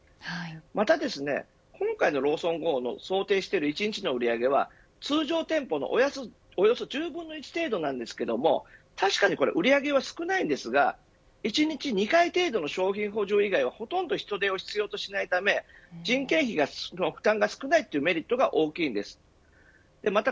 また今回のＬａｗｓｏｎＧｏの想定している１日の売り上げは通常店舗のおよそ１０分の１程度ですが確かに売り上げは少ないですが１日２回程度の商品補充以外はほとんど人手を必要としないため人件費が人件費の負担が少ないのがメリットです。